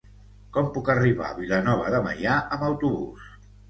Com puc arribar a Vilanova de Meià amb autobús?